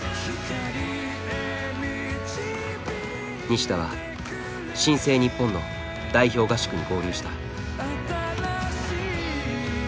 西田は新生ニッポンの代表合宿に合流した。